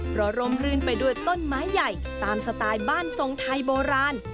เพราะร่มรื่นไปด้วยต้นไม้ใหญ่ตามสไตล์บ้านทรงไทยโบราณ